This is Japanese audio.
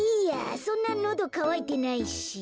そんなのどかわいてないし。